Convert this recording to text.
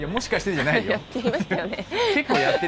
やっていましたよね。